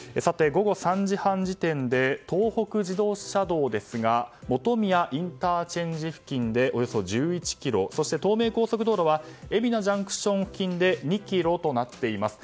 午後３時半時点で東北自動車道ですが本宮ＩＣ付近で、およそ１１ｋｍそして東名高速道路では海老名ＪＣＴ付近で２ｋｍとなっています。